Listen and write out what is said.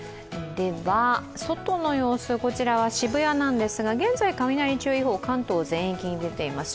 外の様子、こちらは渋谷なんですが、現在、雷注意報が関東全域に出ています。